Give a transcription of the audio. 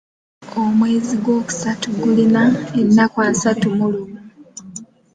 Omwezi gwokusatu gulina ennaku asatu mu lumu.